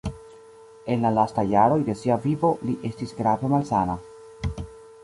En la lastaj jaroj de sia vivo li estis grave malsana.